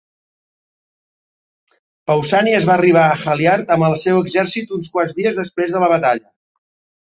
Pausànies va arribar a Haliart amb el seu exèrcit uns quants dies després de la batalla.